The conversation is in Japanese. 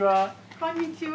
こんにちは。